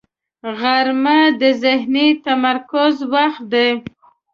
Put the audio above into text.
غرمه د ذهني تمرکز وخت دی